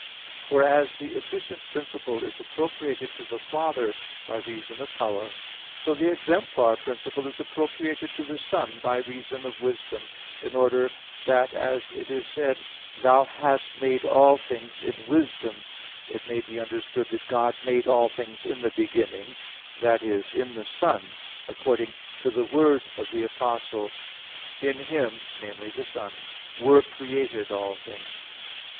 For as the efficient principle is appropriated to the Father by reason of power, so the exemplar principle is appropriated to the Son by reason of wisdom, in order that, as it is said (Ps. 103:24), "Thou hast made all things in wisdom," it may be understood that God made all things in the beginning that is, in the Son; according to the word of the Apostle (Col. 1:16), "In Him" viz. the Son "were created all things."